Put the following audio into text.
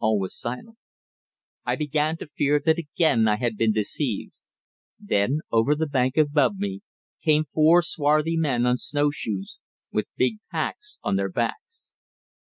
All was silent. I began to fear that again I had been deceived. Then over the bank above me came four swarthy men on snow shoes, with big packs on their backs.